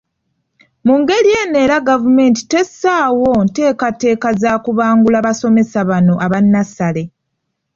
Mu ngeri eno era gavumenti tessaawo nteekateeka za kubangula basomesa bano aba nnassale.